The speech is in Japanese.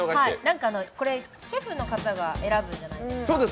これシェフの方が選ぶじゃないですか。